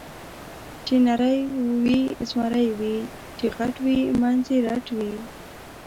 چې نری وي زمری وي، چې غټ وي منځ یې رټ وي.